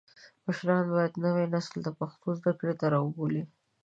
مشران باید نوی نسل د پښتو زده کړې ته راوبولي.